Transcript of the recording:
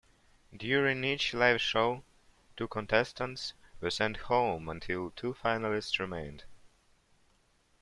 During each live show, two contestants were sent home until two finalists remained.